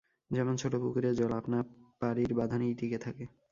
যেমন ছোটো পুকুরের জল আপনা পাড়ির বাঁধনেই টিঁকে থাকে।